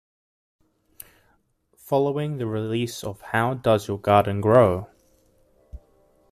Following the release of How Does Your Garden Grow?